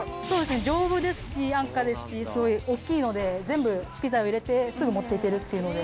丈夫ですし安価ですしすごい大きいので全部資機材を入れてすぐ持って行けるっていうので。